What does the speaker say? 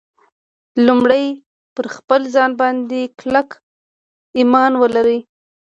لومړی پر خپل ځان باندې کلک ایمان ولرئ